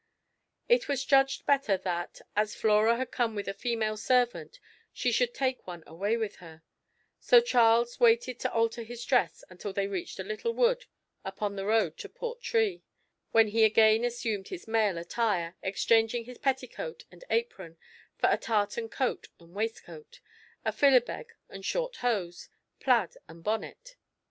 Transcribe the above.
It was judged better that, as Flora had come with a female servant, she should take one away with her; so Charles waited to alter his dress until they reached a little wood upon the road to Portree, when he again assumed his male attire, exchanging his petticoat and apron for a tartan coat and waistcoat, a philibeg and short hose, plaid and bonnet.